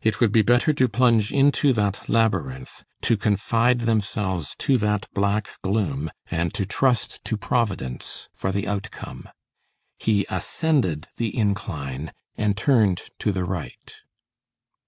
It would be better to plunge into that labyrinth, to confide themselves to that black gloom, and to trust to Providence for the outcome. He ascended the incline, and turned to the right.